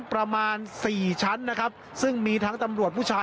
ประมาณสี่ชั้นนะครับซึ่งมีทั้งตำรวจผู้ชาย